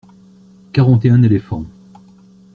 Quarante et un éléphants.